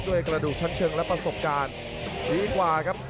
กระดูกชั้นเชิงและประสบการณ์ดีกว่าครับ